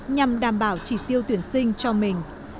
nhằm đảm bảo trị tiêu tuyển sinh cho mình